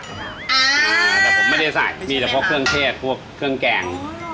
แต่ผมไม่ได้ใส่มีแต่เพราะเครื่องเทศพวกเครื่องแกง